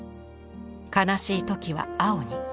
悲しい時は青に。